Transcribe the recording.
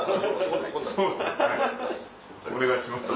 お願いします。